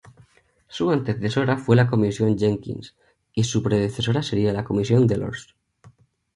Su antecesora fue la Comisión Jenkins y su predecesora sería la Comisión Delors.